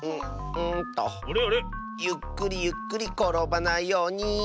ゆっくりゆっくりころばないように。